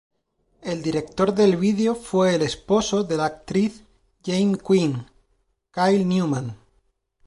El director del video fue el esposo de la actriz Jaime King, Kyle Newman.